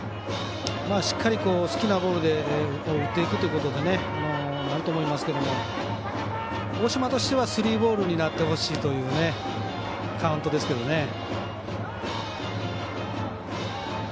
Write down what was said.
しっかり、好きなボールで打っていくということになると思いますけど大島としてはスリーボールになってほしいというカウントですけどね。